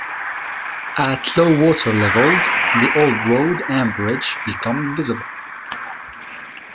At low water levels, the old road and bridge become visible.